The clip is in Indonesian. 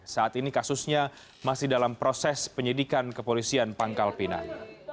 saat ini kasusnya masih dalam proses penyidikan kepolisian pangkal pinang